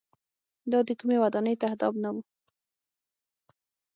دا د کومۍ ودانۍ تهداب نه و.